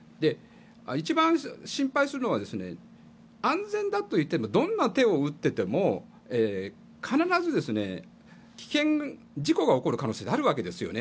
一番心配するのは安全だというけどどんな手を打ってても必ず事故が起きる可能性はあるわけですよね。